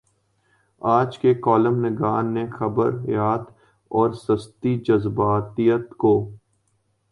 آج کے کالم نگار نے خبریت اورسستی جذباتیت کو